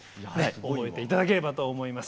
覚えて頂ければと思います。